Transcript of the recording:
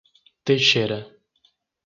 Teixeira